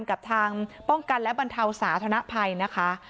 กับทางป้องกันและบรรเทาสาธนภัยนะคะ